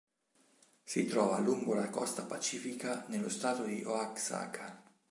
Si trova lungo la costa pacifica nello Stato di Oaxaca.